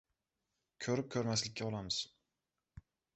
Ko‘rib, ko‘rmaslikka olamiz!